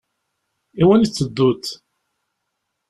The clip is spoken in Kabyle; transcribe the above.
Iwani teteddut?